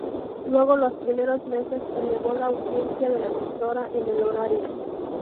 Luego los primeros meses elevó la audiencia de la emisora en el horario.